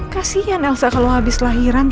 kasian elsa kalau habis lahiran